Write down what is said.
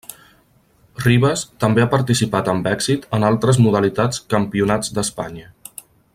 Rivas també ha participat amb èxit en altres modalitats Campionats d'Espanya.